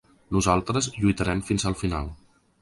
Nosaltres lluitarem fins al final.